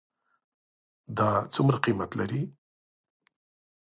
دا څومره قیمت لري ?